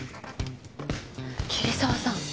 桐沢さん。